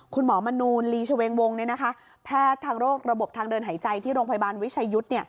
คุณหมอมนูลลีชเวงวงแพทย์ทางโรคระบบทางเดินหายใจที่โรงพยาบาลวิชัยยุทธ์